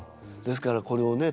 ですからこれをね